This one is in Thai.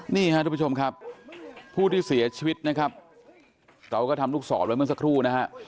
นี่ฮะทุกผู้ชมครับผู้ที่เสียชีวิตนะครับเราก็ทำลูกศรไว้เมื่อสักครู่นะฮะ